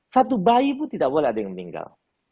satu bayi pun tidak boleh ada yang meninggal